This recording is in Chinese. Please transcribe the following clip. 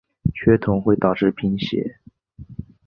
缺铜会导致贫血。